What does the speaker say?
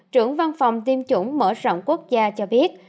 trưởng văn phòng tiêm chủng mở rộng quốc gia cho biết